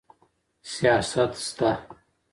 سیاست سته.